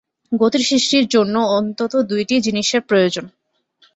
গতি-সৃষ্টির জন্য অন্তত দুইটি জিনিষের প্রয়োজন।